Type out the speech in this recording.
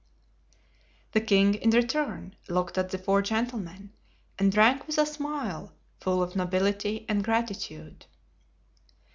The king, in return, looked at the four gentlemen and drank with a smile full of nobility and gratitude.